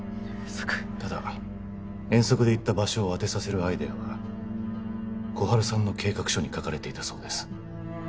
ただ遠足で行った場所を当てさせるアイデアは心春さんの計画書に書かれていたそうです